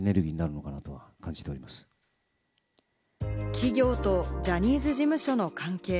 企業とジャニーズ事務所の関係。